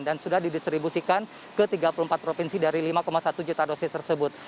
dan sudah didistribusikan ke tiga puluh empat provinsi dari lima satu juta dosis tersebut